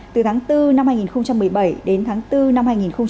từ tháng bốn năm hai nghìn một mươi bảy đến tháng bốn năm hai nghìn một mươi chín